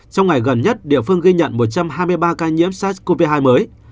trong ngày gần nhất địa phương ghi nhận một trăm hai mươi ba ca nhiễm sars cov hai mới